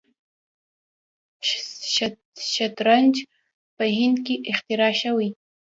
شطرنج په هند کې اختراع شوی.